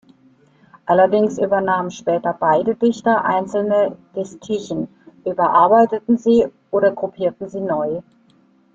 Allerdings übernahmen später beide Dichter einzelne Distichen, überarbeiteten sie oder gruppierten sie neu.